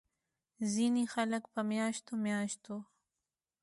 ځينې خلک پۀ مياشتو مياشتو